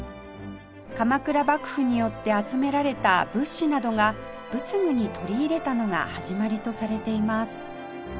鎌倉幕府によって集められた仏師などが仏具に取り入れたのが始まりとされています